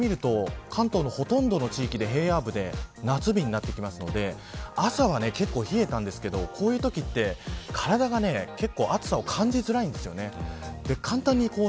これを見ると、関東のほとんどの地域で平野部では夏日になるので朝はけっこう冷えたんですけどこういうときは体がけっこう暑さを感じづらいんです。